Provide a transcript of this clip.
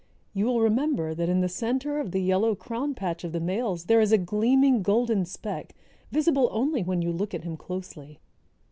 You will remember that in the center of the yellow crown patch of the males, there is a gleaming golden speck, visible only when you look at him closely.